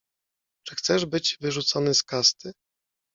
— Czy chcesz być wyrzucony z kasty?